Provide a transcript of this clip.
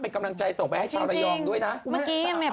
เป็นกำลังใจส่งไปให้ชาวระยองด้วยนะ